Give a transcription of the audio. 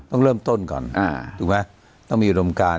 ต้องเริ่มต้นก่อนถูกไหมต้องมีอุดมการ